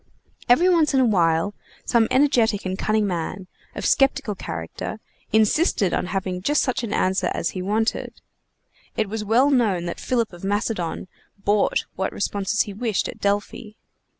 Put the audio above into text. Every once in a while some energetic and cunning man, of skeptical character, insisted on having just such an answer as he wanted. It was well known that Philip of Macedon bought what responses he wished at Delphi.